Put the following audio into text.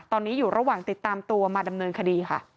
ตอนนี้อยู่ระหว่างติดตามตัวมาดำเนินคดีค่ะ